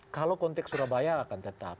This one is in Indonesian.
kalau konteks surabaya akan tetap